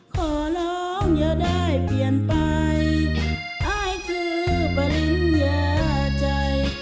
ขอร้องอย่าได้เปลี่ยนไปอายคือปริญญาใจ